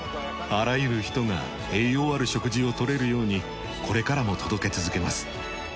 あらゆる人が栄養ある食事を取れるようにこれからも届け続けます。